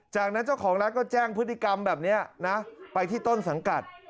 จากนั้นเจ้าของร้านก็แจ้งพฤติกรรมแบบนี้นะไปที่ต้นสังกัด